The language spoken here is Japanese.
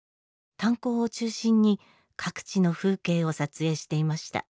炭鉱を中心に各地の風景を撮影していました。